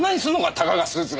たかがスーツが！